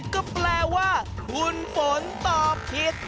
ก็แปลว่าคุณฝนตอบผิด